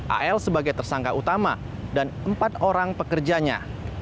al sebagai tersangka utama dan empat orang pekerjanya